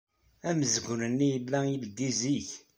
Amezgun-nni yella ileddey zik.